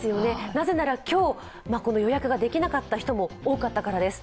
なぜなら今日、予約ができなかった人も多かったからです。